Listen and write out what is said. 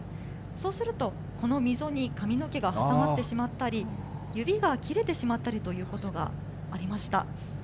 そうすると、この溝に髪の毛が挟まってしまったり、指が切れてしまったりということがありました。